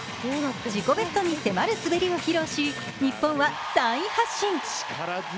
自己ベストに迫る滑りを披露し日本は３位発進。